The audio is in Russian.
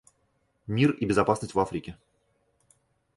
Мир и безопасность в Африке.